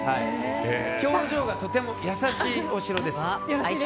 表情がとても優しいお城です。